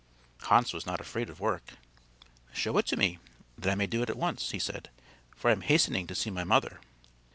Hans was not afraid of work. "Show it to me that I may do it at once," he said; "for I am hastening to see my mother."